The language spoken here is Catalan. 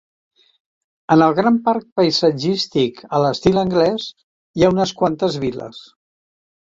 En el gran parc paisatgístic a l'estil anglès hi ha unes quantes vil·les.